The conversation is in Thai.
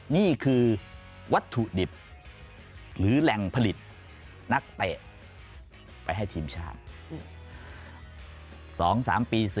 นี่คือวัตถุดิบหรือแหล่งผลิตนักเตะไปให้ทีมชาติ